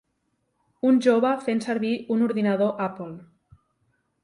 Un jove fent servir un ordinador Apple.